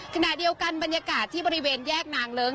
ขณะเดียวกันบรรยากาศที่บริเวณแยกนางเลิ้ง